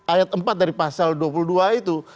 ayat empat dari pasal dua puluh dua itu